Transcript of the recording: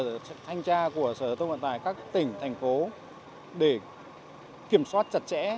và phối hợp với lại sở thanh tra của sở thông bản tải các tỉnh thành phố để kiểm soát chặt chẽ